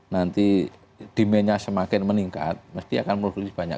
nanti demennya semakin meningkat mesti akan menulis banyak